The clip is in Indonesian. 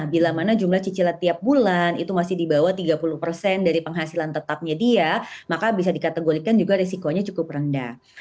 bila mana jumlah cicilan tiap bulan itu masih di bawah tiga puluh persen dari penghasilan tetapnya dia maka bisa dikategolikan juga risikonya cukup rendah